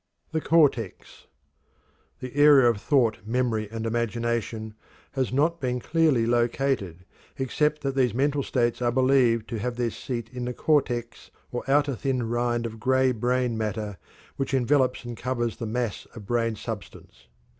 THE CORTEX. The area of thought, memory, and imagination has not been clearly located, except that these mental states are believed to have their seat in the cortex or outer thin rind of gray brain matter which envelopes and covers the mass of brain substance.